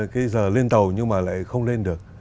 cái giờ lên tàu nhưng mà lại không lên được